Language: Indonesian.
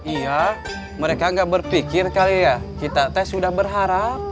iya mereka nggak berpikir kali ya kita tes sudah berharap